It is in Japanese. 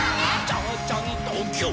「ちゃちゃんとぎゅっ」